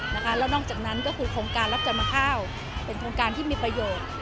แล้วนอกจากนั้นก็คือโครงการรับจำนำข้าวเป็นโครงการที่มีประโยชน์